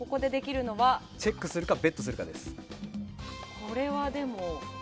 チェックするかベットするかです。